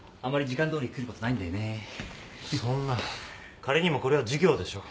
仮にもこれは授業でしょう？